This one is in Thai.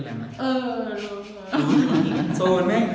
ไม่ธรรมดาพี่ชิดตูนมาแล้วเนี่ย